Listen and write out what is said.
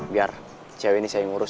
biar cewek ini saya ngurus